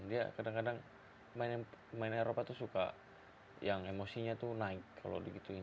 ya kadang kadang pemain eropa itu suka yang emosinya itu naik kalau di gituin